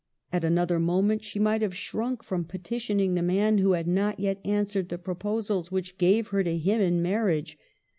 At another moment she might have shrunk from petitioning the man who had not yet answered the proposals which gave her to him in marriage.